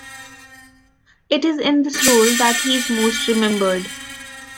It is in this role that he is most remembered.